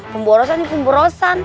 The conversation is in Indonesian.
pemborosan itu pemborosan